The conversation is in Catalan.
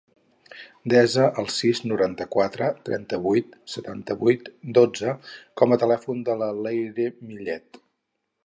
Desa el sis, noranta-quatre, trenta-vuit, setanta-vuit, dotze com a telèfon de la Leire Millet.